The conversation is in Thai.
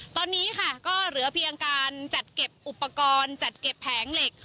ตอนนี้ค่ะก็เหลือเพียงการจัดเก็บอุปกรณ์จัดเก็บแผงเหล็ก